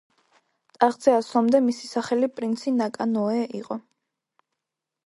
ტახტზე ასვლამდე მისი სახელი პრინცი ნაკა ნო ოე იყო.